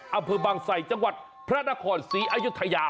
อำเภอบังไสท์จังหวัดพระราชชีอายุธยา